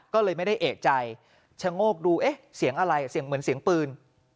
ก็เลยไม่ได้เอกใจชะโงกดูเอ๊ะเสียงอะไรเสียงเหมือนเสียงปืน